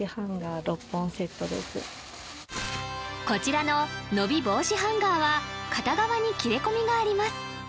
こちらの伸び防止ハンガーは片側に切れ込みがあります